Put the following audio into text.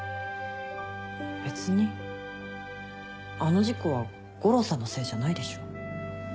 別にあの事故は悟郎さんのせいじゃないでしょ。